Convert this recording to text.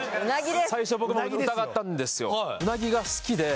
最初僕も疑ったんですよ